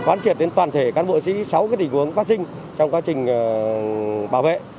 quán triển đến toàn thể các bộ trí sáu cái tình huống phát sinh trong quá trình bảo vệ